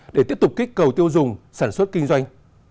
để tiếp tục kích cầu tiêu dùng sản xuất kinh doanh